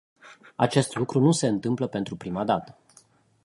Acest lucru nu se întâmplă pentru prima dată.